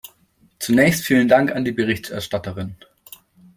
Zunächst vielen Dank an die Berichterstatterin.